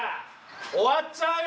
終わっちゃうよ